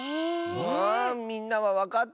あみんなはわかった？